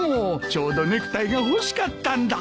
ちょうどネクタイが欲しかったんだ。